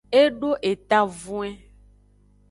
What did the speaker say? E do etavwen.